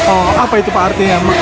oh apa itu pak artinya